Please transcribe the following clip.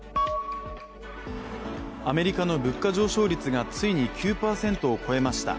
アメリカの物価上昇率が、ついに９％を超えました。